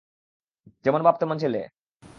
যেমন বাপ তেমন ছেলে।